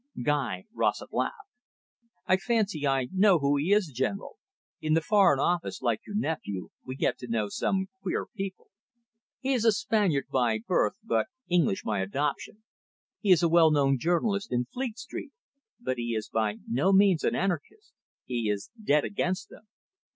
Guy Rossett laughed. "I fancy I know who he is, General; in the Foreign Office, like your nephew, we get to know some queer people. He is a Spaniard by birth, but English by adoption. He is a well known journalist in Fleet Street. But he is by no means an anarchist; he is dead against them."